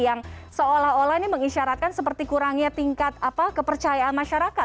yang seolah olah ini mengisyaratkan seperti kurangnya tingkat kepercayaan masyarakat